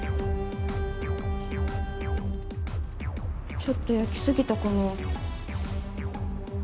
ちょっと焼き過ぎたかな。